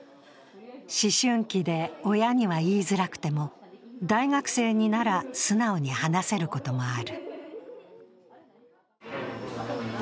思春期で親には言いづらくても大学生になら素直に話せることもある。